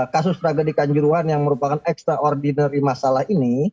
kasus tragedi kanjuruhan yang merupakan extraordinary masalah ini